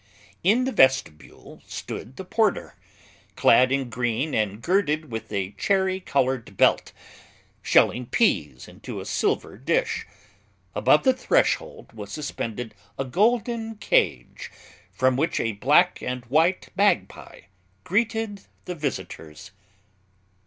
In the vestibule stood the porter, clad in green and girded with a cherry colored belt, shelling peas into a silver dish. Above the threshold was suspended a golden cage, from which a black and white magpie greeted the visitors.